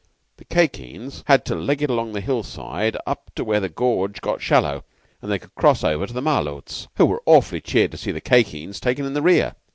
The Khye Kheens had to leg it along the hillside up to where the gorge got shallow and they could cross over to the Malôts, who were awfully cheered to see the Khye Kheens taken in the rear.